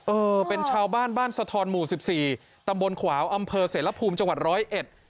เออเป็นชาวบ้านบ้านสะทอนหมู่สิบสี่ตำบลขวาวอำเภอเสรภูมิจังหวัดร้อยเอ็ด